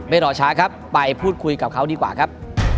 รอช้าครับไปพูดคุยกับเขาดีกว่าครับ